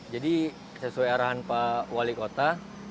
jadi sesuai arahan pak wali kota